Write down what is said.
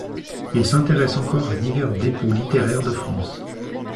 Il s’intéresse encore à divers dépôts littéraires de France.